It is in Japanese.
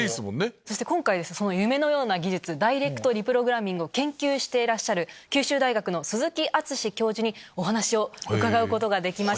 そして今回夢のような技術ダイレクトリプログラミングを研究している九州大学の鈴木淳史教授にお話を伺うことができました。